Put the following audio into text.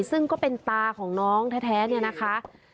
ซึ่งก็เป็นตาของน้องแท้เนี่ยนะคะ